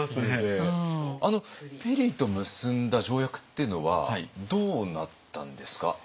ペリーと結んだ条約っていうのはどうなったんですか？